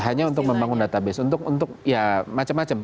hanya untuk membangun database untuk ya macam macam